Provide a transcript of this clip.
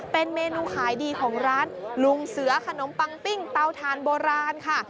เป็นเมนูขายดีของร้านลุงเสือขนมปังปิ้งเตาทานโบราณค่ะ